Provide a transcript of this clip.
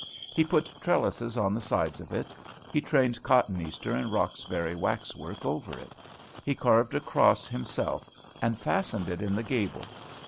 He put trellises on the sides of it. He trained cotoneaster and Roxbury wax work over it. He carved a cross himself, and fastened it in the gable.